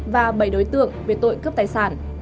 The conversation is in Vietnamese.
và bảy đối tượng về tội cướp tài sản